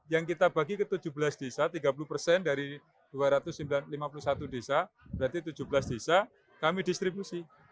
yang kita bagi ke tujuh belas desa tiga puluh persen dari dua ratus lima puluh satu desa berarti tujuh belas desa kami distribusi